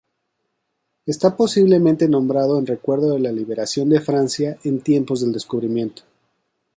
Está posiblemente nombrado en recuerdo de la liberación de Francia en tiempos del descubrimiento.